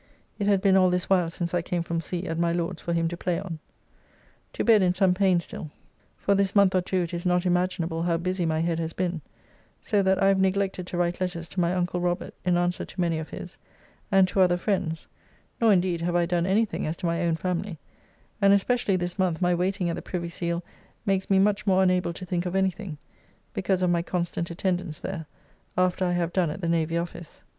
It had been all this while since I came from sea at my Lord's for him to play on. To bed in some pain still. For this month or two it is not imaginable how busy my head has been, so that I have neglected to write letters to my uncle Robert in answer to many of his, and to other friends, nor indeed have I done anything as to my own family, and especially this month my waiting at the Privy Seal makes me much more unable to think of anything, because of my constant attendance there after I have done at the Navy Office.